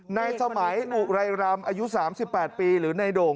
ในสมัยอุรัยรามอายุ๓๘ปีหรือในโด่ง